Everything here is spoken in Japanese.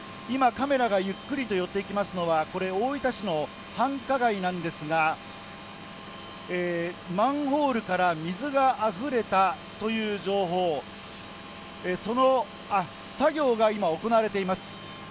今、カメラがゆっくりと寄っていきますのは、これ、大分市の繁華街なんですが、マンホールから水があふれたという情報、その作業が今、行われています。